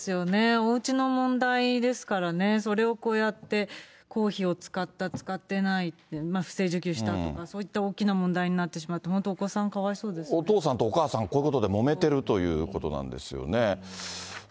おうちの問題ですからね、それをこうやって公費を使った使ってないって、不正受給した、そういった大きな問題になってしまって、本当、おお父さんとお母さん、こういうことでもめてるということなんですよね。